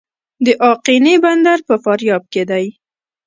د اقینې بندر په فاریاب کې دی